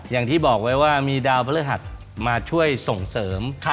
อย่างที่บอกไว้ว่ามีดาวพระฤหัสมาช่วยส่งเสริม